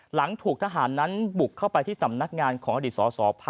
หลังถูกทหารนั้นบุกเข้าไปที่สำนักงานของอดีตสสพ